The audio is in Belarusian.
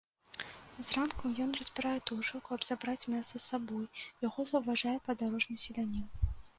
Зранку ён разбірае тушу, каб забраць мяса з сабой, яго заўважае падарожны селянін.